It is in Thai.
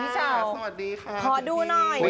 สวัสดีครับพอดูหน่อย